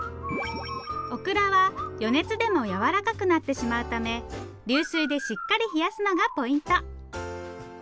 オクラは余熱でもやわらかくなってしまうため流水でしっかり冷やすのがポイント！